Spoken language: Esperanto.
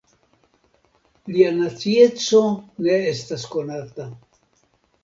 Lia nacieco ne estas konata.